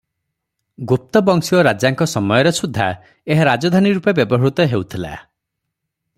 ଗୁପ୍ତବଂଶୀୟ ରାଜାଙ୍କ ସମୟରେ ସୁଦ୍ଧା ଏହା ରାଜଧାନୀରୂପେ ବ୍ୟବହୃତ ହେଉଥିଲା ।